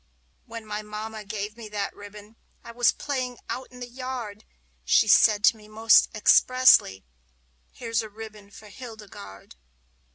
When my mamma gave me that ribbon I was playing out in the yard She said to me, most expressly, "Here's a ribbon for Hildegarde."